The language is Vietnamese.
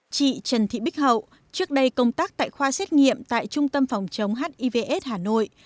chị trần thị bích hậu trước đây công tác tại khoa xét nghiệm tại trung tâm phòng chống hivs hà nội